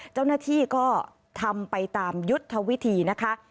เจ้าหน้าที่ก็ทำไปตามยุทธวิธีนะคะ